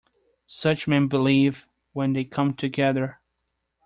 Such men believe, when they come together.